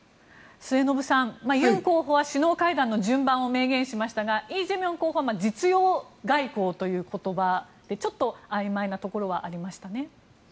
末延さん、ユン候補は首脳会談の順番を明言しましたがイ・ジェミョン候補は実用外交という言葉でちょっとあいまいなところはありましたね。